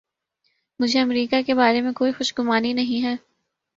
مجھے امریکہ کے بارے میں کوئی خوش گمانی نہیں ہے۔